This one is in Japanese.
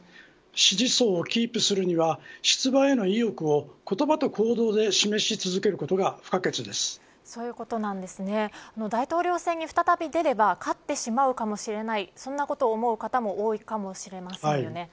支持層をキープするには出馬への意欲を言葉と行動で大統領選に再び出れば勝ってしまうかもしれないそんなことを思う方も多いかもしれませんよね。